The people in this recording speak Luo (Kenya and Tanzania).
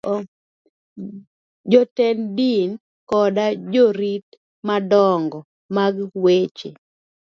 Jotend din koda jorit madongo mag weche